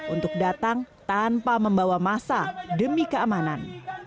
untuk datang tanpa membawa masa demi keamanan